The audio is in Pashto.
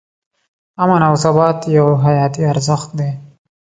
امن او ثبات یو حیاتي ارزښت دی.